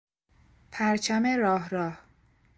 پرچم راه راه